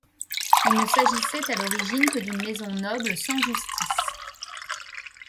Il ne s'agissait à l'origine que d'une maison noble sans justice.